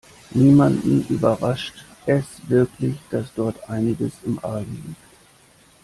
Niemanden überrascht es wirklich, dass dort einiges im Argen liegt.